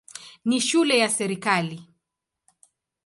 Ni shule ya serikali.